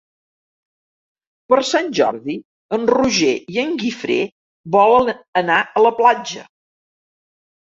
Per Sant Jordi en Roger i en Guifré volen anar a la platja.